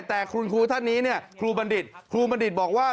แต่ครูบรรดิศบอกว่า